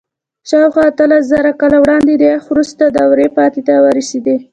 شاوخوا اتلسزره کاله وړاندې د یخ وروستۍ دوره پای ته ورسېده.